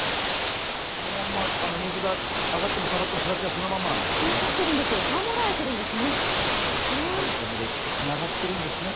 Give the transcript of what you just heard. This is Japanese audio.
このまんま水が上がっても下がっても、形はそのまんまなんですよね？